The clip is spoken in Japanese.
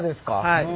はい。